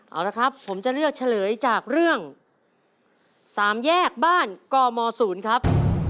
เอาละครับผมจะเลือกเฉลยจากเรื่อง๓แยกบ้านกม๐ครับ